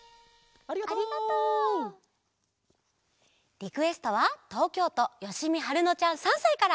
リクエストはとうきょうとよしみはるのちゃん３さいから。